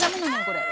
これ。